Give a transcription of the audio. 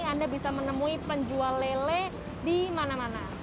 anda bisa menemui penjual lele di mana mana